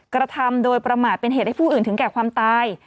กระทำโดยประมาทเป็นเหตุให้ผู้อื่นถึงแก่ความตาย